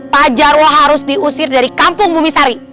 pak jarwo harus diusir dari kampung bumisari